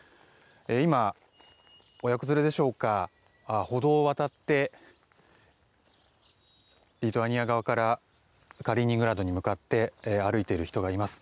今、親子連れでしょうか歩道を渡ってリトアニア側からカリーニングラードに向かって歩いている人がいます。